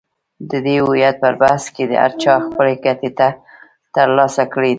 د دې هویت پر بحث کې هر چا خپلې ګټې تر لاسه کړې دي.